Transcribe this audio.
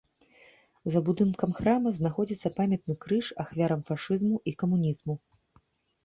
За будынкам храма знаходзіцца памятны крыж ахвярам фашызму і камунізму.